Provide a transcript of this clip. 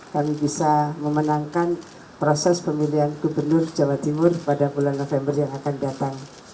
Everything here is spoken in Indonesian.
kami bisa memenangkan proses pemilihan gubernur jawa timur pada bulan november yang akan datang